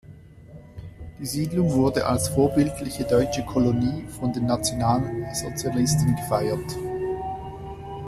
Die Siedlung wurde als vorbildliche deutsche Kolonie von den Nationalsozialisten gefeiert.